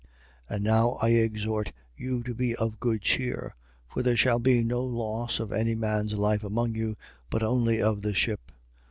27:22. And now I exhort you to be of good cheer. For there shall be no loss of any man's life among you, but only of the ship.